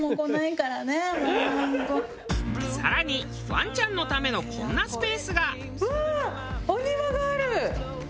更にワンちゃんのためのこんなスペースが。